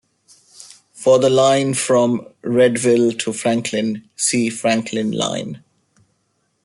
For the line from Readville to Franklin, see Franklin Line.